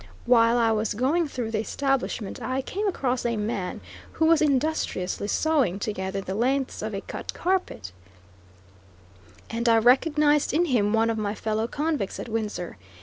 While I was going through the establishment I came across a man who was industriously sewing together the lengths of a cut carpet, and I recognized in him one of my fellow convicts at Windsor.